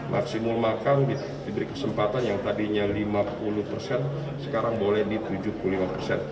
maksimal makam diberi kesempatan yang tadinya lima puluh persen sekarang boleh di tujuh puluh lima persen